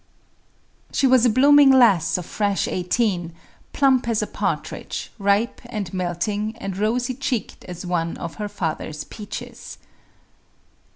She was a blooming lass of fresh eighteen, plump as a partridge, ripe and melting and rosy cheeked as one of her father's peaches.